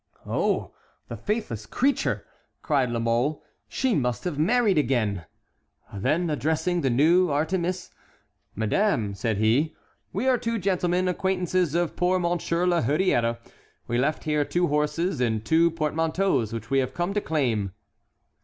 "Oh, the faithless creature!" cried La Mole; "she must have married again." Then addressing the new Artémise: "Madame," said he, "we are two gentlemen, acquaintances of poor Monsieur La Hurière. We left here two horses and two portmanteaus which we have come to claim."